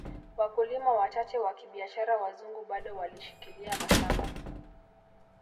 Wakulima wachache wa kibiashara wazungu bado walishikilia mashamba